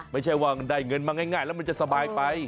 ไม่ใช่ว่าได้เงินมาง่ายแล้วมันจะสบายไป